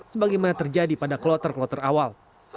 sebagaimana terjadi pada kloter kloter awal